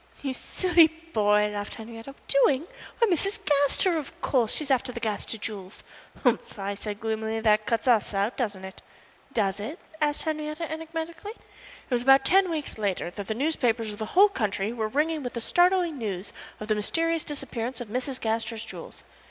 "You silly boy," laughed Henriette. "Doing? Why, Mrs. Gaster, of course. She is after the Gaster jewels." "Humph!" I said, gloomily. "That cuts us out, doesn't it?" "Does it?" asked Henriette, enigmatically. It was about ten weeks later that the newspapers of the whole country were ringing with the startling news of the mysterious disappearance of Mrs. Gaster's jewels.